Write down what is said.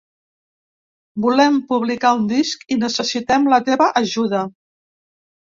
Volem publicar un disc i necessitem la teva ajuda.